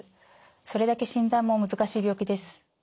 それだけ診断も難しい病気です。